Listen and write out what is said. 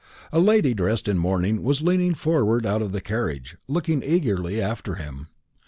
A lady dressed in mourning was leaning forward out of the carriage, looking eagerly after him.